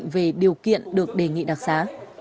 về điều kiện được đề nghị đặc sá